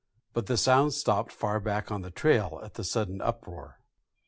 But the sound stopped far back on the trail at the sudden uproar.